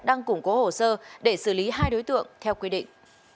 đang củng cố hồ sơ để xử lý hai đối tượng theo quy định